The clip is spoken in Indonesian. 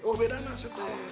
oh beda nah siap tuh